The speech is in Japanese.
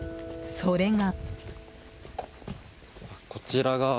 それが。